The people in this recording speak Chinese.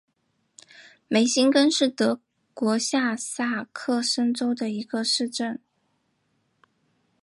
梅辛根是德国下萨克森州的一个市镇。